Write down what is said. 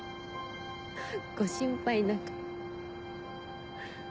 ご心配なく。